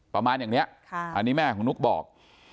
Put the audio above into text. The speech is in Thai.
ประมาณอย่างนี้อันนี้แม่ของนุ๊กบอก